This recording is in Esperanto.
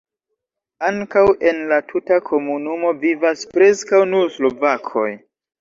Ankaŭ en la tuta komunumo vivas preskaŭ nur slovakoj.